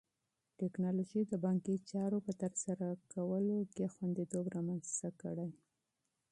ټیکنالوژي د بانکي چارو په ترسره کولو کې خوندیتوب رامنځته کړی.